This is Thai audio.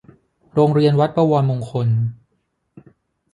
โรงเรียนวัดบวรมงคล